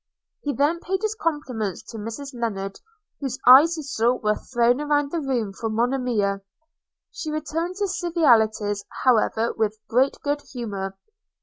He then paid his compliments to Mrs Lennard, whose eyes he saw were thrown around the room for Monimia; she returned his civilities, however, with great good humour.